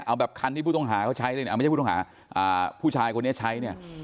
เอาแบบคันที่ผู้ต้องหาเขาใช้ไม่ใช่ผู้ต้องหาผู้ชายคนนี้ใช้